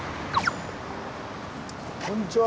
こんにちは。